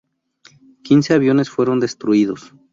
Quince aviones fueron destruidos.